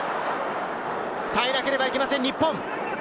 耐えなければいけません、日本。